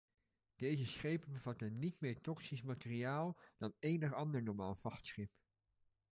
Deze schepen bevatten niet meer toxisch materiaal dan enig ander normaal vrachtschip.